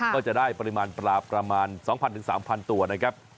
ก็จะได้ปริมาณปลาประมาณ๒๐๐๓๐๐ตัวนะครับ